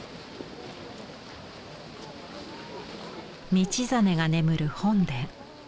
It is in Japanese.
道真が眠る本殿。